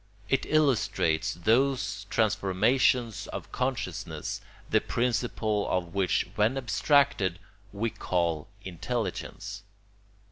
It illustrates those transformations of consciousness the principle of which, when abstracted, we call intelligence.